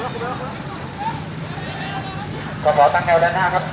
บีโกะเหอเดียวก่อนอเดินตะนี้นะครับ